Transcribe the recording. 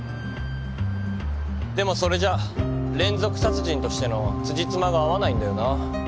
でもそれじゃあ連続殺人としての辻褄が合わないんだよな。